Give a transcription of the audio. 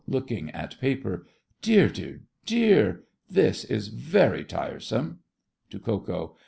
(looking at paper). Dear, dear, dear! this is very tiresome. (To Ko Ko.)